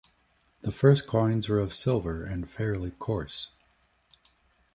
The first coins were of silver and fairly coarse.